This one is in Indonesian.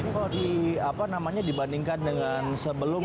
kita akan melaju ke depan lagi